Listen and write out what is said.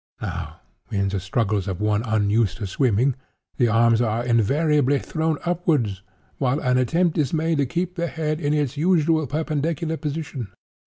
Now, in the struggles of one unused to swimming, the arms are invariably thrown upwards, while an attempt is made to keep the head in its usual perpendicular position.